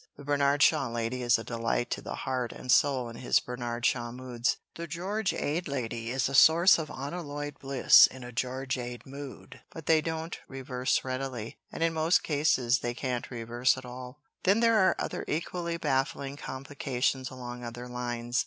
The Bernard Shaw lady is a delight to the heart and soul in his Bernard Shaw moods. The George Ade lady is a source of unalloyed bliss in a George Ade mood, but they don't reverse readily, and in most cases they can't reverse at all. Then there are other equally baffling complications along other lines.